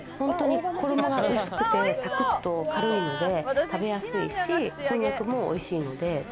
衣が薄くてサクッと軽いので食べやすいし、こんにゃくもおいしいので。